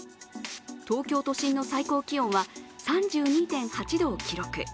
東京都心の最高気温は３２．８度を記録。